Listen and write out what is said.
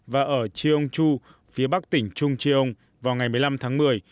và ở cheongju phía bắc tỉnh chungcheong vào ngày một mươi năm tháng một mươi